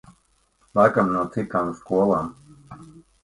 Laikam no citām skolām.